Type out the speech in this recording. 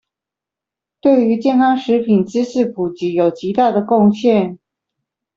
對於健康食品知識普及有極大的貢獻